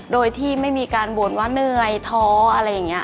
โดยที่ไม่มีการบ่นว่าเหนื่อยท้ออะไรอย่างนี้